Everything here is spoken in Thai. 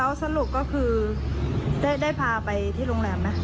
แล้วสรุปก็คือได้พาไปที่โรงแรมไหม